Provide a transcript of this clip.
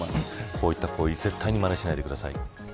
こうした行為、絶対にまねしないでください。